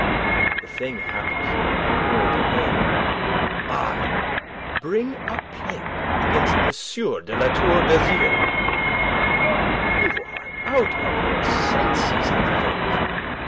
"The thing happened here on your domain." "I bring a plaint against M. de La Tour d'Azyr! You are out of your senses, I think.